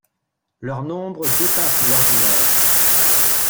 Leur nombre dépasse l'ordinaire.